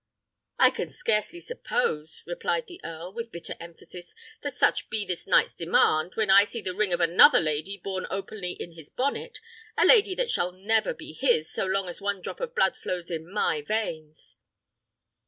"I can scarcely suppose," replied the earl, with bitter emphasis, "that such be this knight's demand, when I see the ring of another lady borne openly in his bonnet; a lady that shall never be his, so long as one drop of blood flows in my veins."